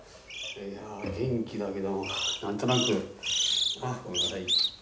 いや元気だけども何となくあっごめんなさい。